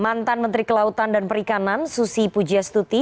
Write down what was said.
mantan menteri kelautan dan perikanan susi pujastuti